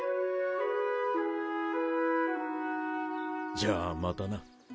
じゃあまたな。